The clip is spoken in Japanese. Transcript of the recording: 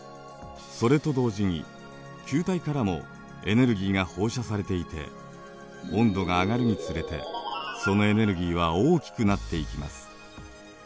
それと同時に球体からもエネルギーが放射されていて温度が上がるにつれてそのエネルギーは大きくなっていきます。